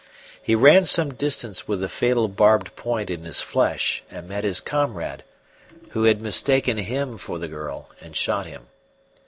He ran some distance with the fatal barbed point in his flesh and met his comrade, who had mistaken him for the girl and shot him.